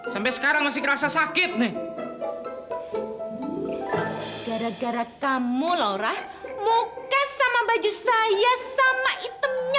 sampai sekarang masih kerasa sakit nih gara gara kamu lorah muka sama baju saya sama hitamnya